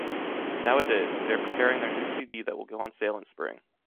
Nowadays, they are preparing their new CD that will go on sale in Spring.